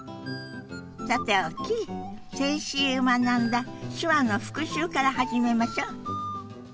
さておき先週学んだ手話の復習から始めましょ。